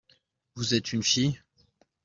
Vous êtes une fille ?